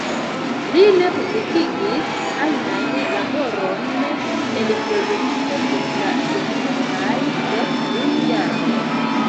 Li ne publikigis ajnan laboron en filozofio dum la venontaj dek unu jaroj.